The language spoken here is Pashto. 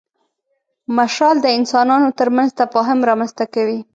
مشال د انسانانو تر منځ تفاهم رامنځ ته کوي.